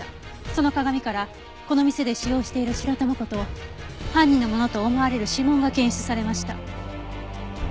その鏡からこの店で使用している白玉粉と犯人のものと思われる指紋が検出されました。